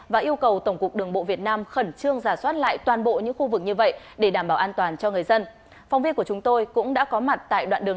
và yêu cầu tổng cục đường bộ việt nam khẩn trương giả soát lại toàn bộ những khu vực như vậy để đảm bảo an toàn cho người dân